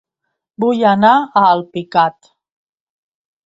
Vull anar a Alpicat